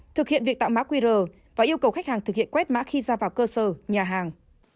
thực hiện việc tạo má quy rờ và yêu cầu khách hàng thực hiện quét mã khi ra vào cơ sở nhà hàng